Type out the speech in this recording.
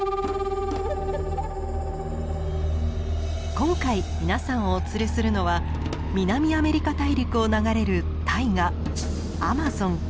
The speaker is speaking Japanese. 今回皆さんをお連れするのは南アメリカ大陸を流れる大河アマゾン。